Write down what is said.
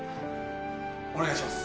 お願いします